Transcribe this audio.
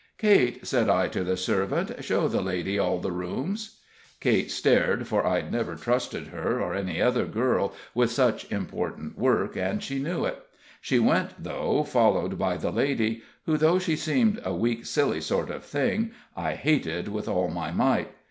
"Kate," said I, to the servant "show the lady all the rooms." Kate stared, for I'd never trusted her, or any other girl, with such important work, and she knew it. She went though, followed by the lady, who, though she seemed a weak, silly sort of thing, I hated with all my might.